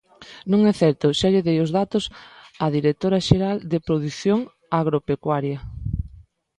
Non é certo, xa lle dei os datos á directora xeral de Produción Agropecuaria.